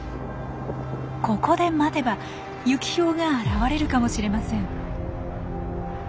ここで待てばユキヒョウが現れるかもしれません。